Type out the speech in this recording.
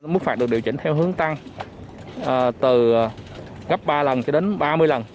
mức phạt được điều chỉnh theo hướng tăng từ gấp ba lần cho đến ba mươi lần